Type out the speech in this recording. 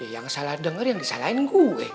yang salah dengar yang disalahin gue